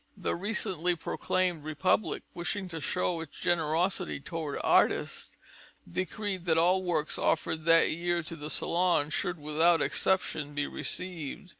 The recently proclaimed Republic, wishing to show its generosity towards artists, decreed that all works offered that year to the Salon should without exception be received.